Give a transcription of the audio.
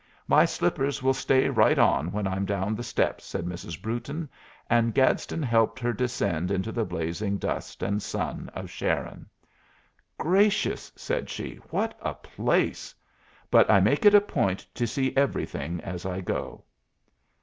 "My slippers will stay right on when I'm down the steps," said Mrs. Brewton, and Gadsden helped her descend into the blazing dust and sun of Sharon. "Gracious!" said she, "what a place! But I make it a point to see everything as I go."